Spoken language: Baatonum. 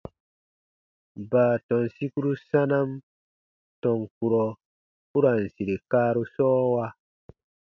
Baatɔn sikuru sanam tɔn kurɔ u ra n sire kaaru sɔɔwa.